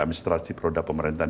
administrasi peroda pemerintahan